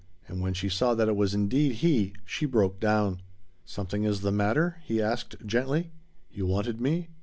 And when she saw that it was indeed he she broke down. "Something is the matter?" he asked gently. "You wanted me?